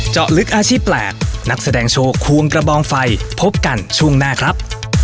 เจาะลึกอาชีพแปลกนักแสดงโชว์ควงกระบองไฟพบกันช่วงหน้าครับ